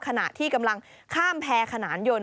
ขณะที่กำลังข้ามแพรขนานยนต